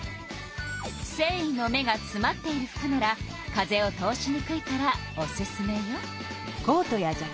せんいの目がつまっている服なら風を通しにくいからおすすめよ。